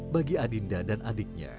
bagi adinda dan adiknya